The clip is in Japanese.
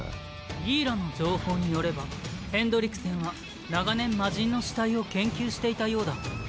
ギーラの情報によればヘンドリクセンは長年魔神の屍体を研究していたようだ。